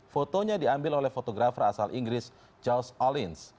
fotonya diambil oleh fotografer asal inggris charles collins